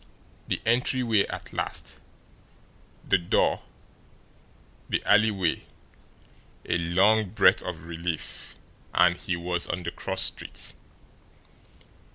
The entryway at last, the door, the alleyway, a long breath of relief and he was on the cross street.